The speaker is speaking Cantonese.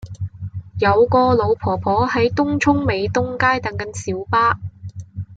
有個老婆婆喺東涌美東街等緊小巴